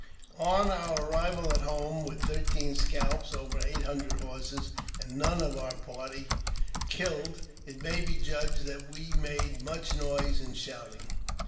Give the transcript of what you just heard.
• On our arrival at home with thirteen scalps, over eight hun jired horses, and none of our party killed, it may be judged jhat we made much noise and shouting.